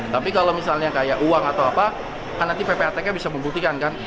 tapi kalau misalnya kayak uang atau apa kan nanti ppatk bisa membuktikan kan